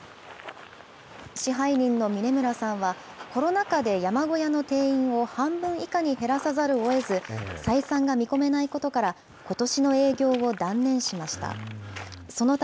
支配人の嶺村さんは、コロナ禍で山小屋の定員を半分以下に減らさざるをえず、採算が見込めないことから、ことしの営業を断念しました。